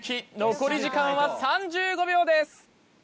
残り時間は３５秒です。